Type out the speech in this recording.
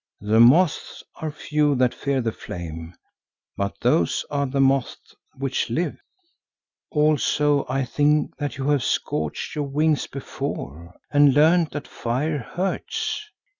"The moths are few that fear the flame, but those are the moths which live. Also I think that you have scorched your wings before and learned that fire hurts.